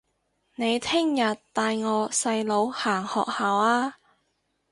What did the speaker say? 你聽日帶我細佬行學校吖